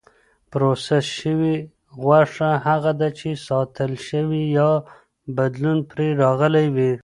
پروسس شوې غوښه هغه ده چې ساتل شوې یا بدلون پرې راغلی وي.